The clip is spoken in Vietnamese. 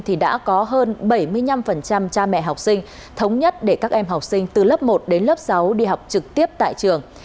thì đã có hơn bảy mươi năm cha mẹ học sinh thống nhất để các em học sinh từ lớp một đến lớp sáu đi học trực tiếp tại trường